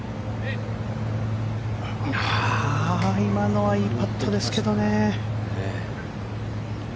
今のはいいパットですけどね。